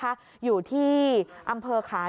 อายุน้อยอยู่เลยนายบุญยฤทธิ์เทพาหรือว่านายอ๊อสนะคะ